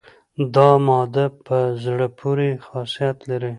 دا ماده په زړه پورې خاصیت لري.